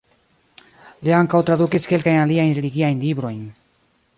Li ankaŭ tradukis kelkajn aliajn religiajn librojn.